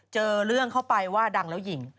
เจอเรื่องเข้าไปว่าดังแล้วหญิง